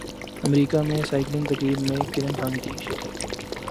امریکہ میں سائیکلنگ تقریب میں کرن خان کی شرکت